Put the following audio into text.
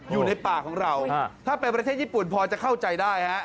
อยู่ในป่าของเราถ้าเป็นประเทศญี่ปุ่นพอจะเข้าใจได้ฮะ